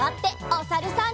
おさるさん。